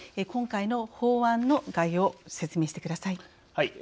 今回の法案の概要を説明してください。